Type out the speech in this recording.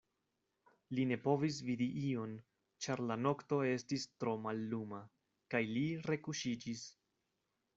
Li ne povis vidi ion, ĉar la nokto estis tro malluma, kaj li rekuŝiĝis.